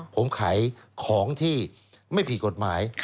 ผมขายของที่ไม่ผิดกฎหมาย